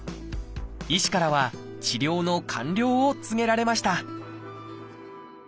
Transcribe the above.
医師からは治療の完了を告げられました